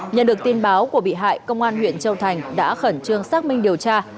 nhận được tin báo của bị hại công an huyện châu thành đã khẩn trương xác minh điều tra